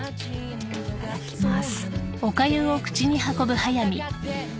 いただきます。